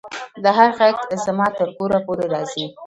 د هغې غږ زما تر کوره پورې راځي